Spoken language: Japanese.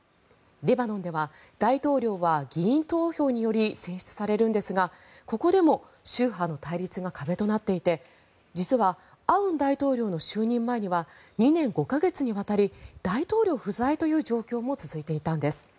レバノンでは大統領は議員投票により選出されるんですがここでも宗派の対立が壁となっていて実はアウン大統領の就任前には２年５か月にわたり大統領不在という状況も続いていたんです。